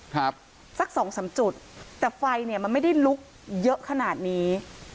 ครับสักสองสามจุดแต่ไฟเนี่ยมันไม่ได้ลุกเยอะขนาดนี้